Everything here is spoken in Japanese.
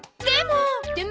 でも。